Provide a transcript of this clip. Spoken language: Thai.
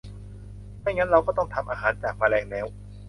ไม่งั้นเราก็ต้องทำอาหารจากแมลงแล้ว